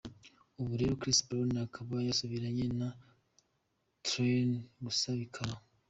Ubu rero Chris Brown akaba yasubiranye na Tran gusa bikaba.